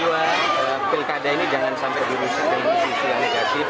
bahwa pilkada ini jangan sampai dirusak dengan isu isu yang negatif